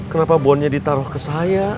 kenapa bonnya ditaruh ke saya